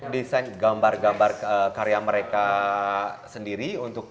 desain gambar gambar karya mereka sendiri untuk